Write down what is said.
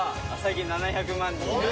７００万人！